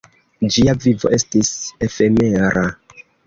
Ĝia vivo estis efemera.